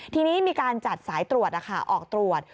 ทีนี้มีการจัดสายตรวจออกตรวจ